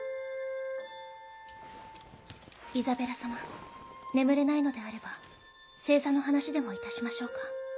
イザベラ様眠れないのであれば星座の話でもいたしましょうか。